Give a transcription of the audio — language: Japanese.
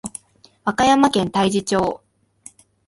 和歌山県太地町